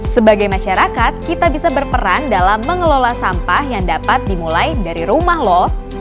sebagai masyarakat kita bisa berperan dalam mengelola sampah yang dapat dimulai dari rumah loh